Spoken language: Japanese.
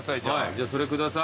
じゃあそれ下さい。